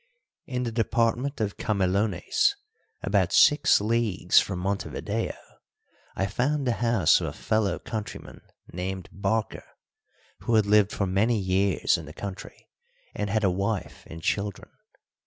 In the department of Camelones, about six leagues from Montevideo, I found the house of a fellow countryman named Barker, who had lived for many years in the country and had a wife and children.